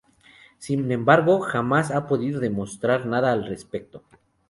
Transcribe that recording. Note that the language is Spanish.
Sin embargo jamás se ha podido demostrar nada al respecto.